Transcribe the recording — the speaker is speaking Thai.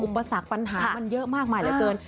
อุปสรรคปัญหามันเยอะมากมายเหลือเกิน